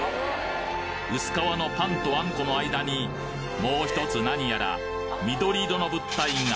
薄皮のパンとあんこの間にもう１つ何やら緑色の物体が。